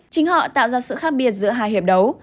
chính họ tạo ra sự khác biệt giữa hai hiệp đấu